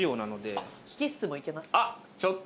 あっちょっと。